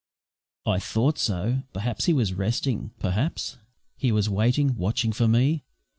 I thought so. Perhaps he was resting. Perhaps He was waiting, watching for me.